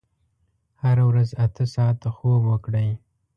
هره ورځ اته ساعته خوب وکړئ.